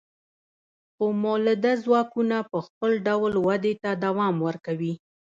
خو مؤلده ځواکونه په خپل ډول ودې ته دوام ورکوي.